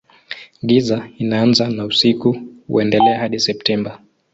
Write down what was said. Giza inaanza na usiku huendelea hadi Septemba.